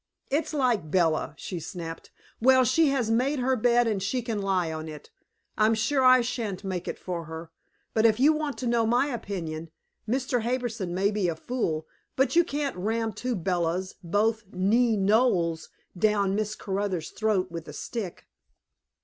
"It's like Bella," she snapped. "Well, she has made her bed and she can lie on it. I'm sure I shan't make it for her. But if you want to know my opinion, Mr. Harbison may be a fool, but you can't ram two Bellas, both NEE Knowles, down Miss Caruthers' throat with a stick."